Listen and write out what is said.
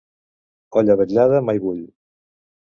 Olla vetllada mai bull.